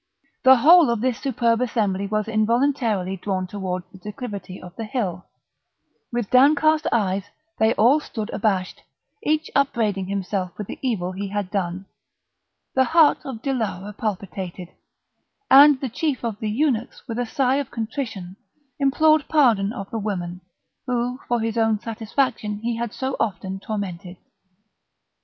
The whole of this superb assembly was involuntarily drawn towards the declivity of the hill; with downcast eyes they all stood abashed, each upbraiding himself with the evil he had done; the heart of Dilara palpitated, and the chief of the eunuchs with a sigh of contrition implored pardon of the women, whom for his own satisfaction he had so often tormented.